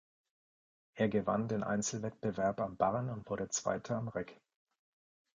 Er gewann den Einzelwettbewerb am Barren und wurde Zweiter am Reck.